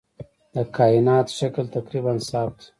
د کائنات شکل تقریباً صاف دی.